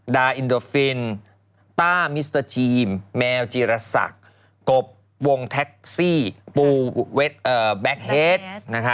อินโดฟินต้ามิสเตอร์ทีมแมวจีรศักดิ์กบวงแท็กซี่ปูแบ็คเฮด